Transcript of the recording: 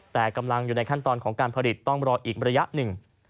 แต่กำลังอยู่ในขั้นตอนของการผลิตต้องรออีกระยะหนึ่ง